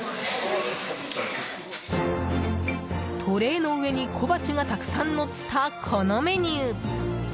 トレーの上に、小鉢がたくさん乗ったこのメニュー！